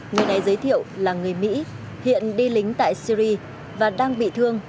người này giới thiệu là người mỹ hiện đi lính tại syri và đang bị thương